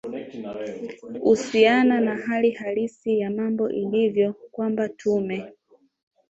usiana na hali halisi ya mambo ilivyo kwamba tume